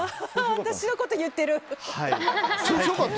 私のこと言ってる。